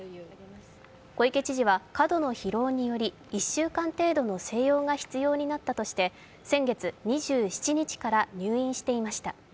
小池知事は過度の疲労により１週間程度の静養が必要になったとして先月２７日から入院していました。